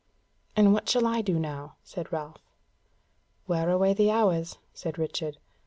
"And what shall I do now?" said Ralph. "Wear away the hours," said Richard.